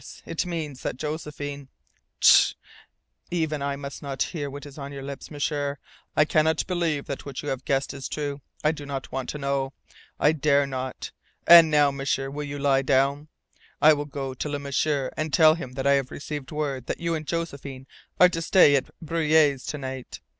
It means that Josephine " "Tsh! Even I must not hear what is on your lips, M'sieur! I cannot believe that you have guessed true. I do not want to know. I dare not. And now, M'sieur, will you lie down? I will go to Le M'sieur and tell him I have received word that you and Josephine are to stay at Breuil's overnight.